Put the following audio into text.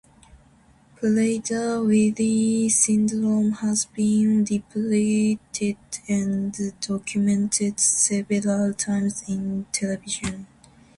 Prader-Willi syndrome has been depicted and documented several times in television.